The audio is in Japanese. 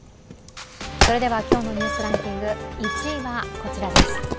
今日の「ニュースランキング」、１位はこちらです。